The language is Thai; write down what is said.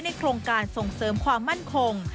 โครงการส่งเสริมความมั่นคง